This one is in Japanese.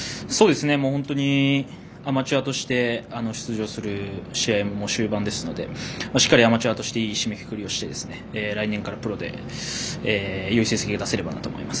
本当にアマチュアとして出場する試合も終盤ですのでしっかりアマチュアとしていい締めくくりをして来年からプロでよい成績が出せればと思います。